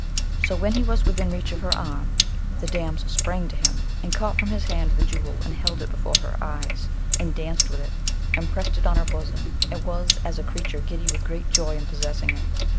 So when he was within reach of her arm, the damsel sprang to him and caught from his hand the Jewel, and held it before her eyes, and danced with it, and pressed it on her bosom, and was as a creature giddy with great joy in possessing it.